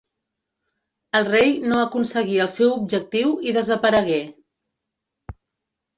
El rei no aconseguí el seu objectiu i desaparegué.